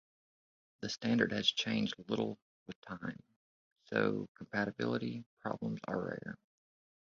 The standard has changed little with time, so compatibility problems are rare.